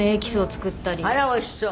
あらおいしそう！